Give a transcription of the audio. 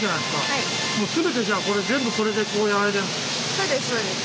そうですそうです。